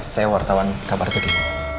saya wartawan kabar terkini